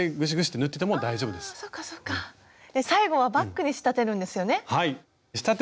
最後はバッグに仕立てるんですよね？